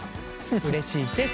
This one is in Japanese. うれしいです。